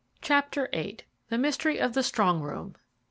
Chapter VIII. THE MYSTERY OF THE STRONG ROOM.